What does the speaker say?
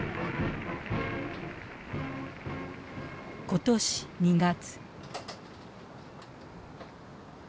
今年２月。